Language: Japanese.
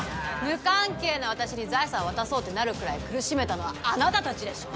無関係な私に財産渡そうってなるくらい苦しめたのはあなた達でしょ！？